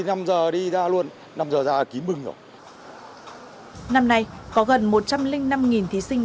năm nay có gần một trăm linh năm thí sinh